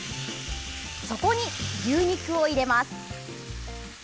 そこに、牛肉を入れます。